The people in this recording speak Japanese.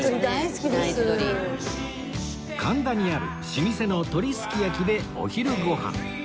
神田にある老舗の鳥すきやきでお昼ご飯